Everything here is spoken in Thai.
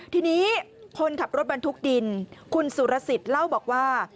ทีนี้คนขับรถบรรทุกดินคุณสุรสิทธิ์เล่าบอกว่า